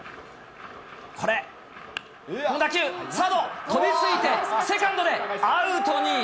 これ、打球、サード、飛びついてセカンドへ、アウトに。